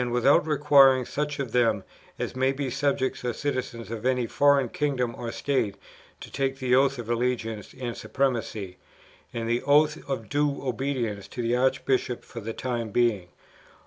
without requiring such of them as may be subjects or citizens of any foreign kingdom or state to take the oaths of allegiance and supremacy, and the oath of due obedience to the Archbishop for the time being"